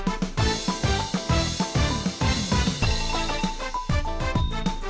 ตอนต่อไป